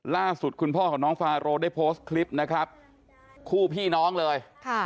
ล่าสุดคุณพ่อของน้องฟาโรได้โพสต์คลิปนะครับคู่พี่น้องเลย